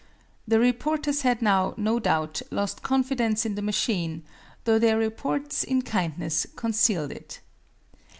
The reporters had now, no doubt, lost confidence in the machine, though their reports, in kindness, concealed it.